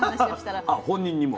あ本人にも。